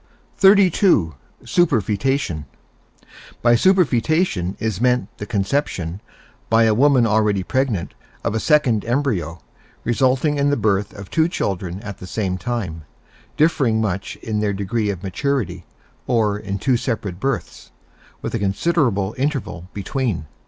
XXXII. SUPERFOETATION By superfoetation is meant the conception, by a woman already pregnant, of a second embryo, resulting in the birth of two children at the same time, differing much in their degree of maturity, or in two separate births, with a considerable interval between.